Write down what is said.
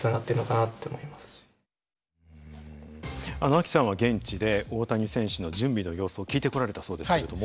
ＡＫＩさんは現地で大谷選手の準備の様子を聞いてこられたそうですけれども。